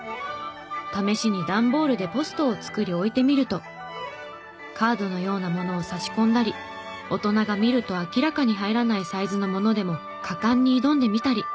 試しに段ボールでポストを作り置いてみるとカードのようなものを差し込んだり大人が見ると明らかに入らないサイズのものでも果敢に挑んでみたり。